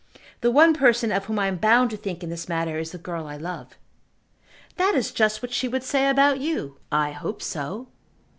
The one person of whom I am bound to think in this matter is the girl I love." "That is just what she would say about you." "I hope so."